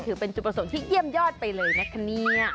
ถือเป็นจุดประสงค์ที่เยี่ยมยอดไปเลยนะคะเนี่ย